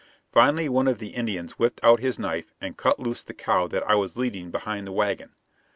Finally one of the Indians whipped out his knife and cut loose the cow that I was leading behind the wagon.